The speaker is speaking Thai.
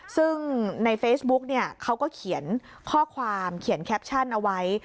ซึ่งในเฟซบุ๊กเนี่ยเขาก็เขียนข้อความเขียนแคปชั่นเอาไว้